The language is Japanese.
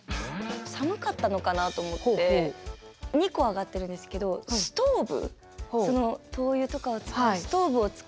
寒かったのかなと思って２個あがってるんですけどストーブ。